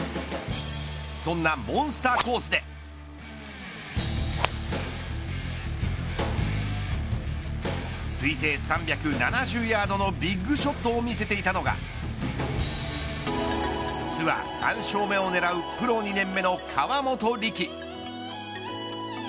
そんなモンスターコースで推定３７０ヤードのビッグショットを見せていたのがツアー３勝目を狙うプロ２年目の河本力。